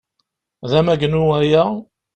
D amagnu aya?